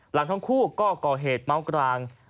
หลังทั้งคู่ก็ก่อเหตุเมากลาง